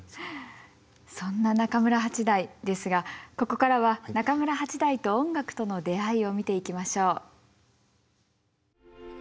そんな中村八大ですがここからは中村八大と音楽との出会いを見ていきましょう。